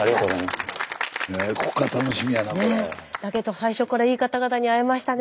最初からいい方々に会えましたね。